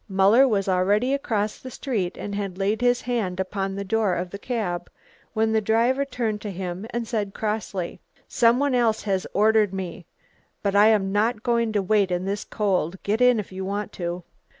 Muller was already across the street and had laid his hand upon the door of the cab when the driver turned to him and said crossly, "Some one else has ordered me. But I am not going to wait in this cold, get in if you want to."